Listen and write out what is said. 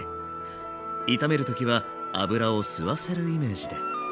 炒める時は油を吸わせるイメージで。